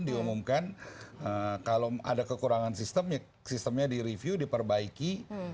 diumumkan kalau ada kekurangan sistem sistemnya direview diperbaiki